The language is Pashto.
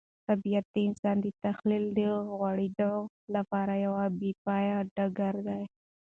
طبیعت د انسان د تخیل د غوړېدو لپاره یو بې پایه ډګر دی.